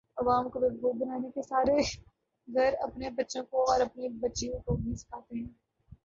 عوام کو بیوقوف بنانے کے سارے گُر اپنے بچوں کو اور اپنی بچیوں کو بھی سیکھاتے ہیں